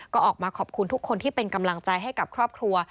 ก็ออกมาขอบคุณทุกคนที่เป็นกำลังใจให้กับครอบครัว